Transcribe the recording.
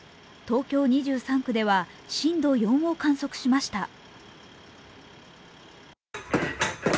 東京２３区では震度４を観測しました。